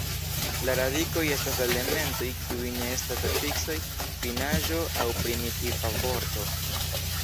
La radikoj estas la elementoj kiuj ne estas afiksoj, finaĵo, aŭ primitiva vorto.